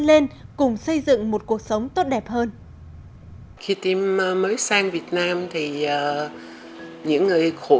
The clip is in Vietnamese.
lên cùng xây dựng một cuộc sống tốt đẹp hơn khi team mới sang việt nam thì những người khổ